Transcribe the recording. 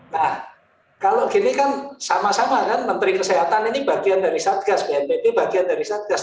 nah kalau gini kan sama sama kan menteri kesehatan ini bagian dari satgas bnpb bagian dari satgas